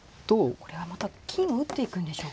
これはまた金を打っていくんでしょうか。